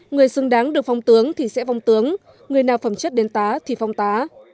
người xứng đáng được phong tướng thì sẽ vong tướng người nào phẩm chất đến tá thì phong tá